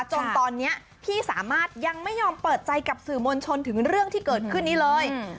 จนตอนนี้พี่สามารถยังไม่ยอมเปิดใจกับสื่อมวลชนถึงเรื่องที่เกิดขึ้นนี้เลย